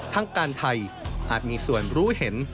ทางการไทยอาจมีส่วนรู้เห็น